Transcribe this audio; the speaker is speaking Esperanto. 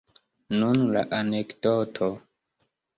Nun la anekdoto.